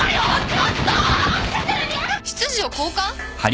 執事を交換？